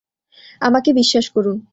আমাকে বিশ্বাস করুন।